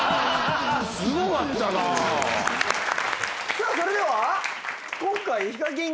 さあそれでは。